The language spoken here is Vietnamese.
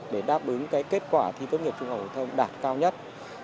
để đáp ứng kết quả thi tuốt nghiệp trung học phổ thông đạt cao nhất